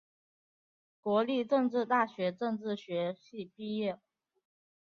国立政治大学政治学系毕业。